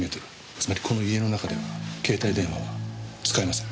つまりこの家の中では携帯電話は使えません。